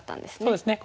そうですね